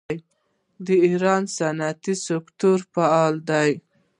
د ایران صنعتي سکتور فعال دی.